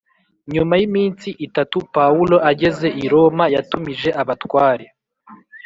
Nyuma y’iminsi itatu Pawulo ageze i Roma yatumije abatware